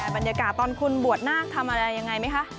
บรรยากาศตอนคุณบวชนาคทำอะไรยังไงไหมคะ